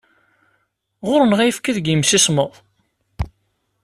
Ɣur-neɣ ayefki deg yimsismeḍ?